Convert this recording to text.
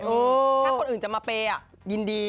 ถ้าคนอื่นจะมาเปย์ยินดี